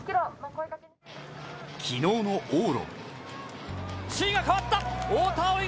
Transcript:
昨日の往路。